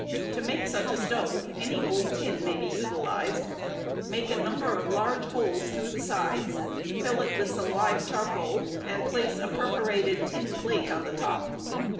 To make such a stove any old tin may be utilized. Make a number of large holes through the sides; fill it with some live charcoal, and place a perforated tin plate on the top.